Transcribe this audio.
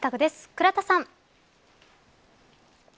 倉田さん。